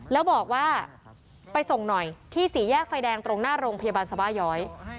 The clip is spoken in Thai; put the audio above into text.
แล้วบอกว่าไปส่งหน่อยที่สี่แยกไฟแดงตรงหน้าโรงพยาบาลสบาย้อย